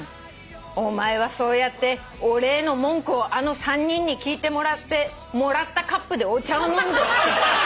「『お前はそうやって俺への文句をあの３人に聞いてもらってもらったカップでお茶を飲んで』」